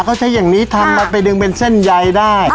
เขาใช้อย่างนี้ทำมันไปดึงเป็นเส้นใยได้